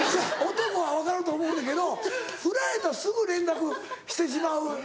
男は分かると思うねんけどフラれたらすぐ連絡してしまう。